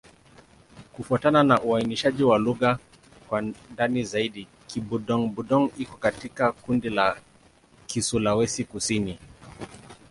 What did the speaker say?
Kufuatana na uainishaji wa lugha kwa ndani zaidi, Kibudong-Budong iko katika kundi la Kisulawesi-Kusini.